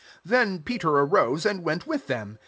39 Then Peter arose, and went with them.